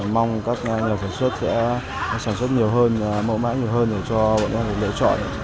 mong các nhà sản xuất sẽ sản xuất nhiều hơn mẫu mã nhiều hơn để cho bọn em lựa chọn